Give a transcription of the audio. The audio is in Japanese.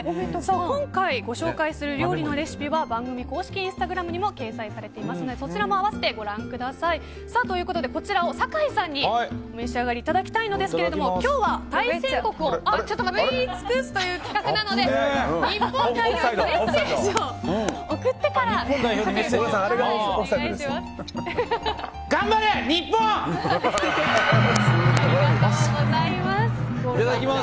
今回ご紹介する料理のレシピは番組公式インスタグラムにも掲載されていますのでそちらも併せてご覧ください。ということでこちらを酒井さんにお召し上がりいただきたいのですが今日は対戦国を食い尽くすということで日本代表にメッセージを送ってから頑張れ、日本！